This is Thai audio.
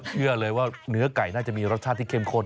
เชื่อเลยว่าเนื้อไก่น่าจะมีรสชาติที่เข้มข้น